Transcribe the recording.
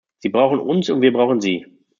Sie brauchen uns und wir brauchen sie.